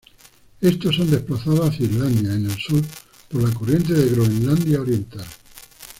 Estos son desplazados hacia Islandia en el sur por la Corriente de Groenlandia Oriental.